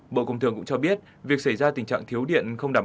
bộ công thương cũng cho biết việc xảy ra tình trạng thiếu điện không đảm bảo